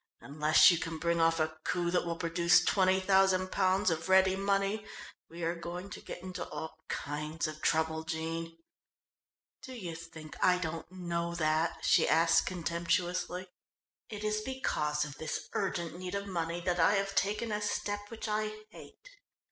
"Unless you can bring off a coup that will produce twenty thousand pounds of ready money we are going to get into all kinds of trouble, Jean." "Do you think I don't know that?" she asked contemptuously. "It is because of this urgent need of money that I have taken a step which I hate."